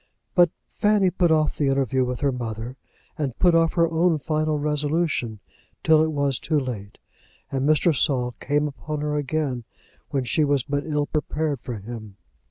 But Fanny put off the interview with her mother, put off her own final resolution, till it was too late, and Mr. Saul came upon her again, when she was but ill prepared for him.